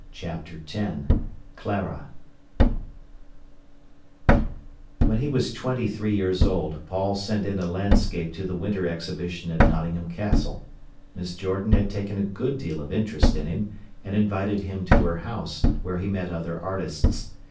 CHAPTER X CLARA When he was twenty three years old, Paul sent in a landscape to the winter exhibition at Nottingham Castle. Miss Jordan had taken a good deal of interest in him, and invited him to her house, where he met other artists.